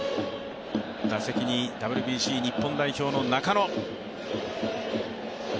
打席にＷＢＣ日本代表の中野。